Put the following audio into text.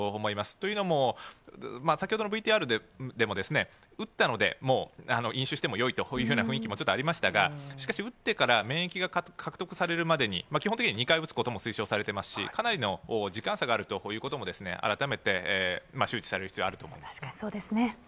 というのも、先ほどのＶＴＲでも、打ったのでもう飲酒してもよいというふうな雰囲気もちょっとありましたが、しかし打ってから免疫が獲得されるまでに、基本的には２回打つことも推奨されていますし、かなりの時間差があるということも、改めて周知される必要あると確かにそうですね。